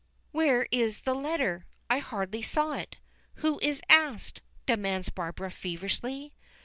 "Where is the letter? I hardly saw it. Who is asked?" demands Barbara feverishly.